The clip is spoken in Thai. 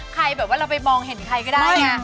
แบบว่าเราไปมองเห็นใครก็ได้ไง